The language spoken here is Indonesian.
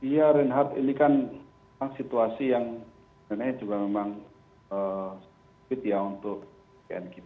ya reinhardt ini kan situasi yang sebenarnya juga memang sulit ya untuk pn kita